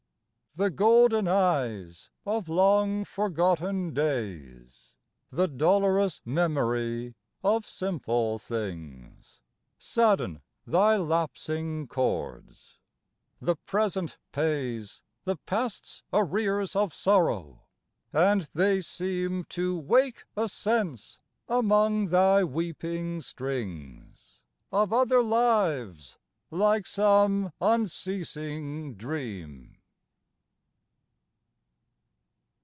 The golden eyes of long forgotten days, The dolorous memory of simple things, Sadden thy lapsing chords : the present pays The past's arrears of sorrow, and they seem To wake a sense, among thy weeping strings, Of other lives, like some unceasing dream.